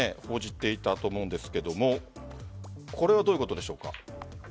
報じていたと思うんですがこれはどういうことでしょうか？